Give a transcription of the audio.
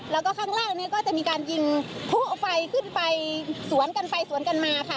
แล้วก็ข้างล่างเนี่ยก็จะมีการยิงผู้ไฟขึ้นไปสวนกันไปสวนกันมาค่ะ